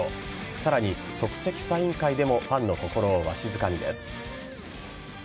さらに、即席サイン会でもファンの心をわしづかみです。